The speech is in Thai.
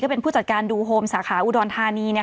เป็นผู้จัดการดูโฮมสาขาอุดรธานี